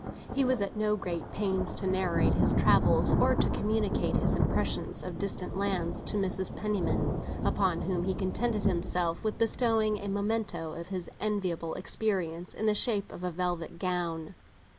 He was at no great pains to narrate his travels or to communicate his impressions of distant lands to Mrs. Penniman, upon whom he contented himself with bestowing a memento of his enviable experience, in the shape of a velvet gown.